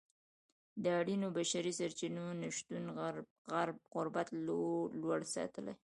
د اړینو بشري سرچینو نشتون غربت لوړ ساتلی.